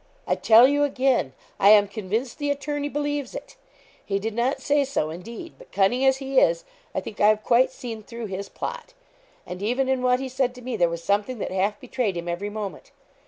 'I tell you again, I am convinced the attorney believes it. He did not say so, indeed; but, cunning as he is, I think I've quite seen through his plot; and even in what he said to me, there was something that half betrayed him every moment.